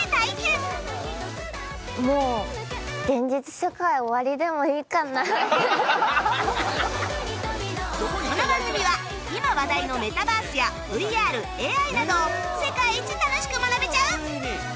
もうこの番組は今話題のメタバースや ＶＲＡＩ などを世界一楽しく学べちゃう！